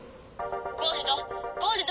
「ゴールド！